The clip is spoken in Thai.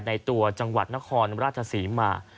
ในตัวจังหวัดนครราชศรีมา